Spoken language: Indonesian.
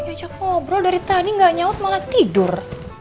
diajak ngobrol dari tani gak nyaut malah tidur